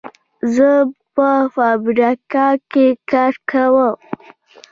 زه په فابریکه کې کار کوم.